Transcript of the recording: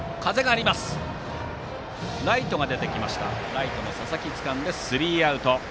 ライトの佐々木がつかんでスリーアウト。